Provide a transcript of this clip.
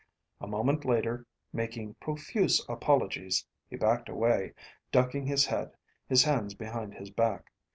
A moment later, making profuse apologies, he backed away, ducking his head, his hands behind his back.